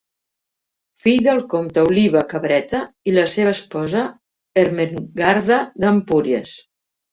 Fill del comte Oliba Cabreta i la seva esposa Ermengarda d'Empúries.